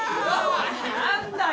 何だよ